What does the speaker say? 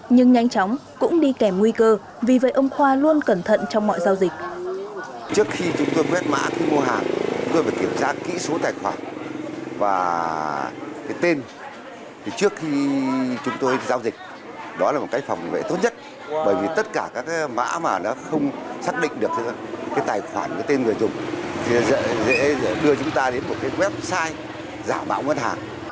nhưng nhanh chóng cũng đi kèm nguy cơ vì vậy ông khoa luôn cẩn thận trong mọi giao dịch